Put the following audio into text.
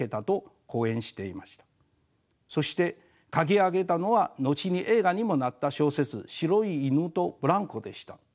そして書き上げたのが後に映画にもなった小説「白い犬とブランコ」でした。